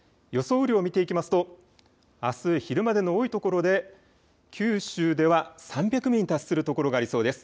雨量を見ていきますと、あす昼までの多い所で九州では、３００ミリに達するところがありそうです。